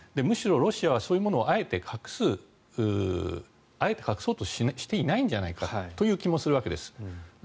むしろロシアはそういうものをあえて隠そうとしていないんじゃないかという気もするわけです。